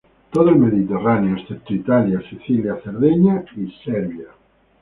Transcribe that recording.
Todo el Mediterráneo, excepto Italia, Sicilia, Cerdeña y Serbia.